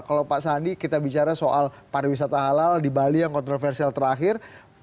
kalau pak sandi kita bicara soal pariwisata halal di bali yang kontroversial terakhir